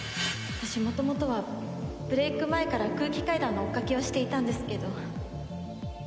私元々はブレーク前から空気階段の追っかけをしていたんですけど。